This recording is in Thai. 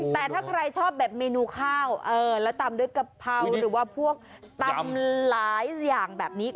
แต่ถ้าใครชอบแบบเมนูข้าวแล้วตำด้วยกะเพราหรือว่าพวกตำหลายอย่างแบบนี้